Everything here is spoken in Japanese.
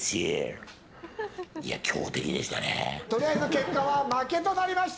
とりあえず結果は負けとなりました。